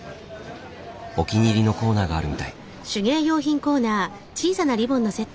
お気に入りのコーナーがあるみたい。